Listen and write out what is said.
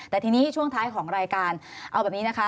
แต่ทีนี้ช่วงท้ายของรายการเอาแบบนี้นะคะ